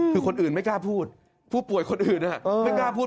คือคนอื่นไม่กล้าพูดผู้ป่วยคนอื่นไม่กล้าพูด